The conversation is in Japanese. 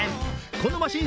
このマシン